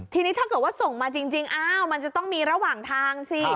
ทีนี้ถ้าเกิดว่าส่งมาจริงอ้าวมันจะต้องมีระหว่างทางสิ